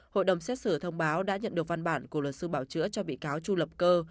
hội đồng xét xử thông báo đã nhận được văn bản của luật sư bảo chữa cho bị cáo chu lập cơ